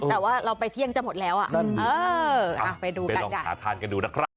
แต่ว่าเราไปเที่ยงจะหมดแล้วไปดูกันกัน